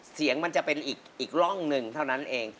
เสียงมันจะเป็นอีกร่องหนึ่งเท่านั้นเอง